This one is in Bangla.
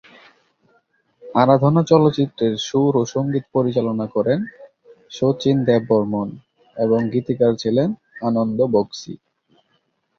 আরাধনা চলচ্চিত্রের সুর ও সঙ্গীত পরিচালনা করেন শচীন দেববর্মণ এবং গীতিকার ছিলেন আনন্দ বক্সী।